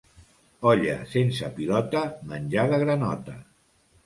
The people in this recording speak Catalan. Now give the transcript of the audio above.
Olla sense pilota, menjar de granota.